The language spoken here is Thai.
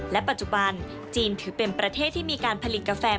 และปัจจุบันจีนถือเป็นประเทศที่มีการผลิตกาแฟ